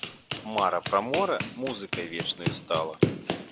Мара пра мора музыкай вечнаю стала.